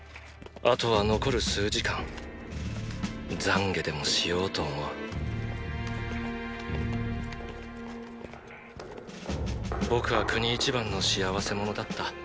あとは残る数時間懺悔でもしようと思う僕は国一番の幸せ者だった。